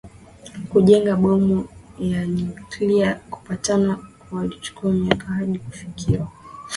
kujenga bomu ya nyuklia Mapatano yalichukua miaka hadi kufikiwa